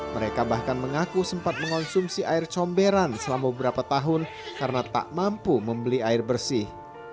mereka bahkan mengaku sempat mengonsumsi air comberan selama beberapa tahun karena tak mampu membeli air bersih